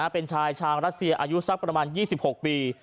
เป็นชายชาวรัสเซียอายุสักประมาณ๒๖ปี